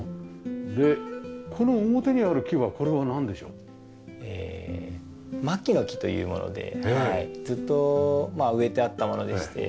でこの表にある木はこれはなんでしょう？ええ槙の木というものでずっと植えてあったものでして。